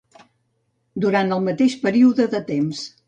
Durant el mateix període de temps.